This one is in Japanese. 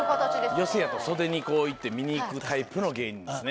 寄席やと袖に行って見に行くタイプの芸人ですね。